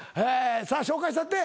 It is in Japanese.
さあ紹介したって。